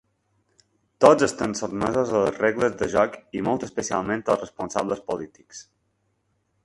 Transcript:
Tots estem sotmesos a les regles de joc i molt especialment els responsables polítics.